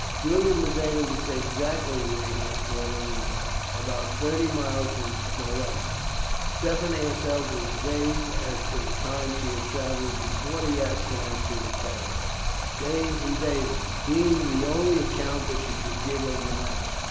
Julian was able to say exactly where he had fallen in with her about thirty miles from Smolensk. Stephanie herself was vague as to the time she had travelled before the accident to the carriage, "days and days" being the only account that she could give of the matter.